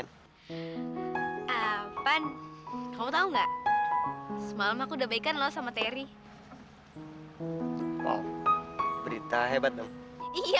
kan apaan kau tahu enggak semalam aku udah baikkan lo sama teri wow berita hebat iya